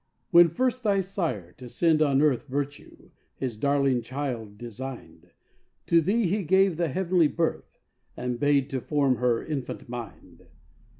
When first thy Sire to send on earth Virtue, his darling child, design'd, To thee he gave the heavenly birth And bade to form her infant mind.